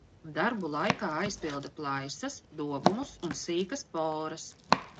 Darbu laikā aizpilda plaisas, dobumus un sīkas poras.